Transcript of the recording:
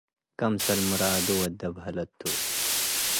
ክምሰል ምራዱ ወዴ በህለት ቱ ።